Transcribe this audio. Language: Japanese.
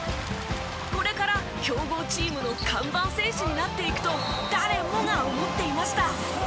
これから強豪チームの看板選手になっていくと誰もが思っていました。